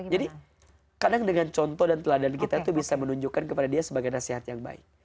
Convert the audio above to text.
jadi kadang dengan contoh dan teladan kita tuh bisa menunjukkan kepada dia sebagai nasehat yang baik